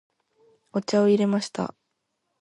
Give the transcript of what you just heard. お茶を入れました。